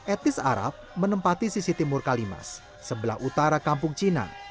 etnis arab menempati sisi timur kalimas sebelah utara kampung cinang